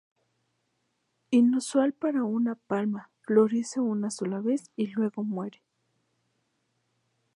Inusual para una palma, florece una sola vez y luego muere.